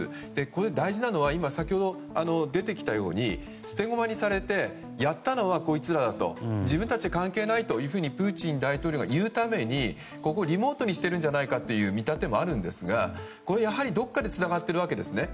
これ、大事なのは先ほど出てきたように捨て駒にされてやったのはこいつらだと自分たちは関係ないというふうにプーチン大統領が言うためにリモートにしてるんじゃないかという見立てもあるんですがどこかでつながっているわけですね。